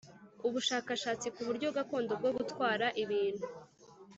ubushakashatsi ku buryo gakondo bwo gutwara ibintu